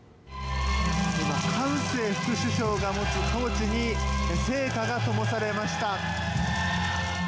今、カン・セイ副首相が持つトーチに聖火がともされました。